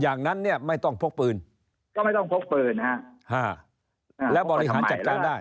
อย่างนั้นเนี่ยไม่ต้องพกปืนก็ไม่ต้องพกปืนแล้วบริหารจัดการได้